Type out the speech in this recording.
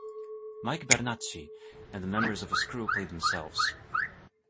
Mike Bernacchi, and members of his crew played themselves.